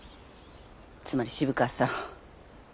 つまり渋川さん。